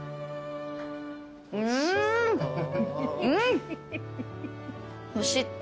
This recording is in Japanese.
うんうん！